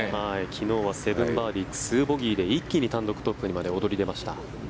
昨日は７バーディー、２ボギーで一気に単独トップにまで躍り出ました。